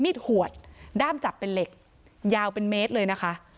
ดหวดด้ามจับเป็นเหล็กยาวเป็นเมตรเลยนะคะ